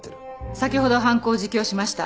先ほど犯行を自供しました。